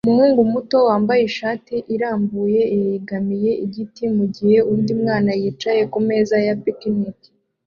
Umuhungu muto wambaye ishati irambuye yegamiye igiti mugihe undi mwana yicaye kumeza ya picnic